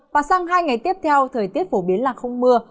và sang hai ngày tiếp theo thời tiết phổ biến là không mưa